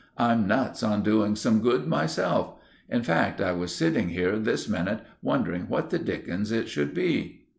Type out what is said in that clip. I'm nuts on doing some good myself. In fact, I was sitting here this minute wondering what the dickens it should be."